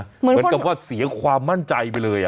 เหมือนกับว่าเสียความมั่นใจไปเลย